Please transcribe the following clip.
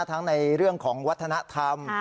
ทั้งในเรื่องของวัฒนธรรม